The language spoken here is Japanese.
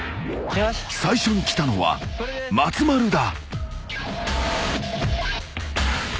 ［最初に来たのは松丸だ］